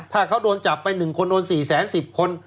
ถ้าเขาโดนจับไป๑คนโดน๔๑๐คน